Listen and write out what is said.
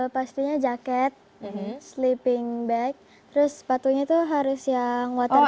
pastinya jaket sleeping bag terus sepatunya itu harus yang waterbombi